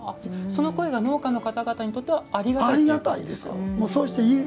その声が農家の方々にとってはありがたいと。